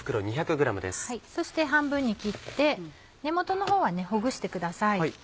そして半分に切って根元のほうはほぐしてください。